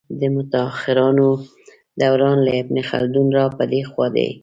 د متاخرانو دوران له ابن خلدون را په دې خوا دی.